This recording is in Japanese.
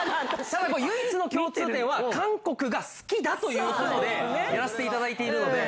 唯一の共通点は韓国が好きだということでやらせていただいているので。